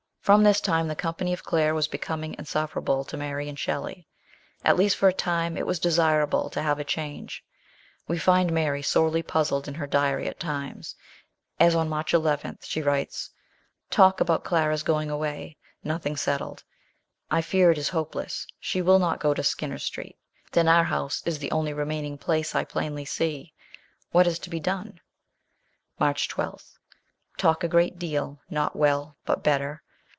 From this time the company of Claire was becoming insufferable to Mary and Shelley. At least lor a time, it was desirable to have a change. We find Mary sorely puzzled in her diary at times, as on March 11 she writes " Talk about Clara's going away ; nothing settled. I fear it is hopeless. She will not go to BIRTH OF A CHILD. 89 Skinner Street ; then our house is the only remain ing place I plainly see. What is to be done? March 12. Talk a great deal. Not well, but better.